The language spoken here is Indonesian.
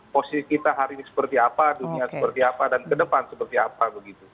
posisi kita hari ini seperti apa dunia seperti apa dan ke depan seperti apa begitu